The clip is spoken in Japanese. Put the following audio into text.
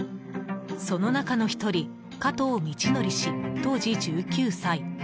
その中の１人加藤倫教氏、当時１９歳。